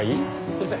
先生